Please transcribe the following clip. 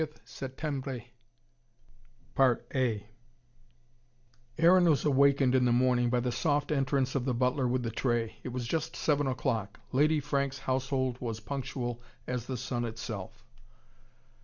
XX SETTEMBRE Aaron was awakened in the morning by the soft entrance of the butler with the tray: it was just seven o'clock. Lady Franks' household was punctual as the sun itself.